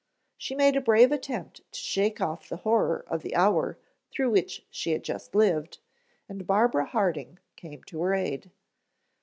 She made a brave attempt to shake off the horror of the hour through which she had just lived, and Barbara Harding came to her aid.